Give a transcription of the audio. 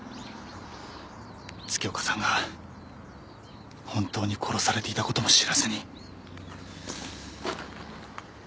月岡さんが本当に殺されていたことも知らずに。